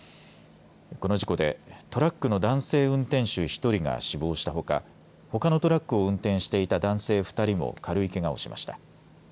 この事故でトラックの男性運転手１人が死亡したほかほかのトラックを運転していた男性２人も軽いけがをしました。